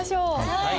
はい！